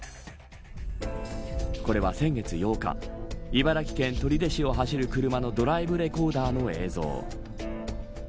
これは先月８日茨城県取手市を走る車のドライブレコーダーの映像。